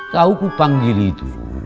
kau kupanggil itu